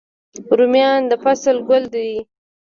رومیان د فصل ګل دی